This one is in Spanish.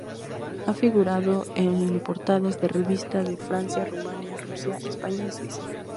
Ha figurado en portadas de revista de Francia, Rumanía, Rusia, España y Suiza.